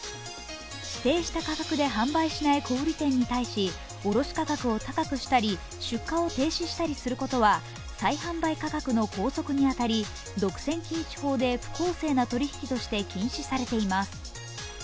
指定した価格で販売しない小売店に対し卸し価格を高くしたり出荷を停止したりすることは再販売価格の拘束に辺り独占禁止法で不公正な取引として禁止されています。